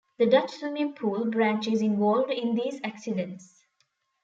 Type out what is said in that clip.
The Dutch swimming pool branch is involved in these accidents.